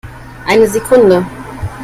Eine Sekunde!